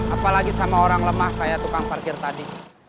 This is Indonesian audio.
apalagi sama orang lemah kayak tukang parkir tadi